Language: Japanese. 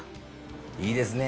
いいですね。